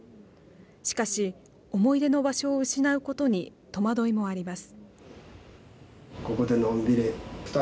しかし思い出の場所を失うことに戸惑いもあります。